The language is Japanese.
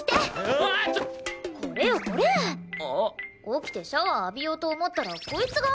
起きてシャワー浴びようと思ったらこいつが。